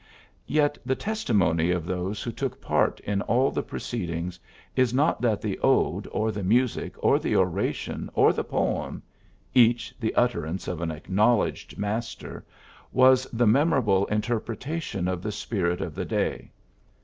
Yet the testimony of those who took part in all the proceed ings is not that the Ode or the music or the Oration or the Poem each the utterance of an acknowledged master was the memorable interpretation of the spirit of the day.